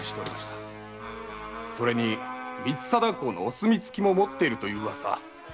それに光貞公のお墨付きも持っているという噂。